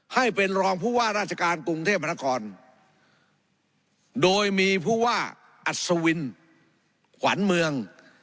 ให้เป็นรองผู้ว่าราชการกรุงเทพมนาคมโดยมีผู้ว่าอัศวินขวัญเมือง